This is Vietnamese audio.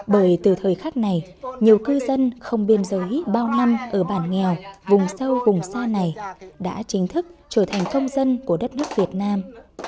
bởi từ thời khắc này nhiều cư dân không biên giới bao năm ở bản nghèo vùng sâu vùng xa này đã chính thức trở thành công dân của đất nước việt nam